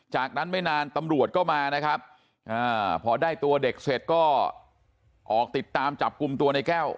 จากนั้นไม่นานตำรวจก็มานะครับพอได้ตัวเด็กเสร็จก็ออกติดตามจับกลุ่มตัวในแก้ว